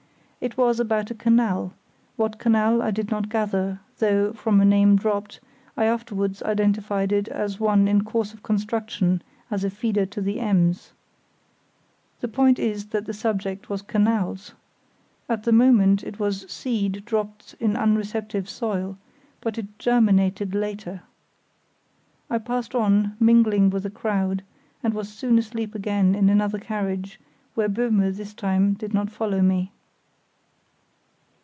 It was about a canal; what canal I did not gather, though, from a name dropped, I afterwards identified it as one in course of construction as a feeder to the Ems. The point is that the subject was canals. At the moment it was seed dropped in unreceptive soil, but it germinated later. I passed on, mingling with the crowd, and was soon asleep again in another carriage where Böhme this time did not follow me.